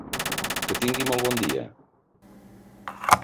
Que tingui molt bon dia!